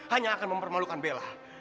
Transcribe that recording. hanya akan mempermalukan bella